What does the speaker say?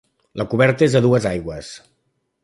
La coberta és a dues aigües.